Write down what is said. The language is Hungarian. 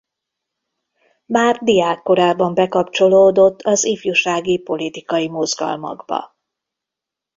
Már diákkorában bekapcsolódott az ifjúsági politikai mozgalmakba.